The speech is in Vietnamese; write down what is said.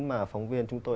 mà phóng viên chúng tôi